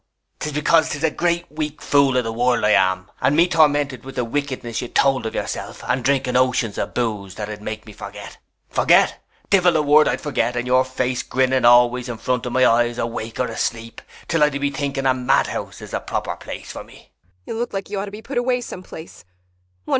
] 'Tis because 'tis a great weak fool of the world I am, and me tormented with the wickedness you'd told of yourself, and drinking oceans of booze that'd make me forget. Forget? Divil a word I'd forget, and your face grinning always in front of my eyes, awake or asleep, 'til I do be thinking a madhouse is the proper place for me.